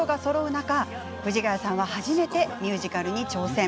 中藤ヶ谷さんは初めてミュージカルに挑戦。